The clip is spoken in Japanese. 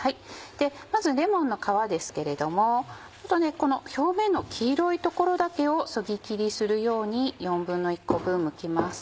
まずレモンの皮ですけれどもこの表面の黄色いところだけをそぎ切りするように１／４個分むきます。